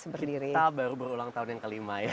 kita baru berulang tahun yang kelima ya